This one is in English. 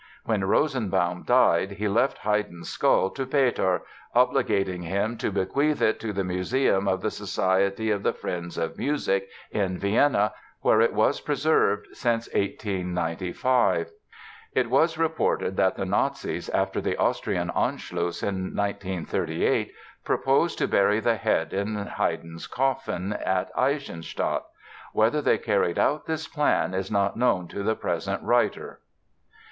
When Rosenbaum died he left Haydn's skull to Peter, obligating him to bequeath it to the museum of the Society of the Friends of Music, in Vienna, where it was preserved since 1895. It was reported that the Nazis, after the Austrian Anschluss in 1938, proposed to bury the head in Haydn's coffin at Eisenstadt. Whether they carried out this plan is not known to the present writer.